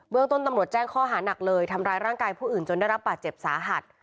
เมืองต้นตำรวจแจ้งข้อหานักเลยทำร้ายร่างกายผู้อื่นจนได้รับบาดเจ็บสาหัส